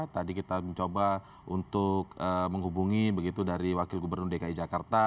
tadi kita mencoba untuk menghubungi begitu dari wakil gubernur dki jakarta